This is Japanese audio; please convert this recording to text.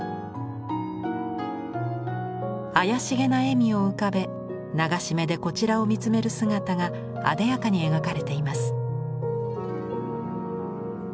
妖しげな笑みを浮かべ流し目でこちらを見つめる姿があでやかに描かれています。